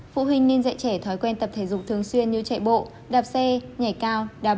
phụ huynh nên dạy trẻ thói quen tập thể dục thường xuyên như chạy bộ đạp xe nhảy cao đạp